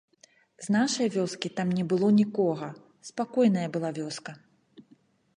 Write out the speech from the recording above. З нашай вёскі там не было нікога, спакойная была вёска.